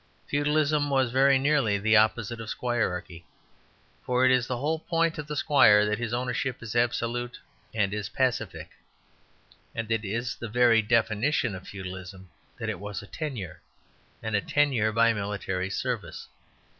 Feudalism was very nearly the opposite of squirearchy. For it is the whole point of the squire that his ownership is absolute and is pacific. And it is the very definition of Feudalism that it was a tenure, and a tenure by military service.